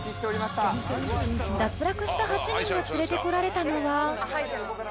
［脱落した８人が連れてこられたのは］